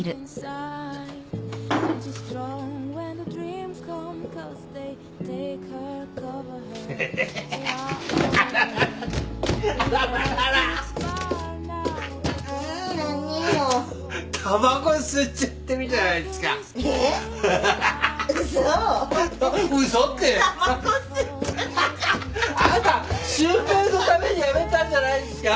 あなた真平のためにやめたんじゃないんですか？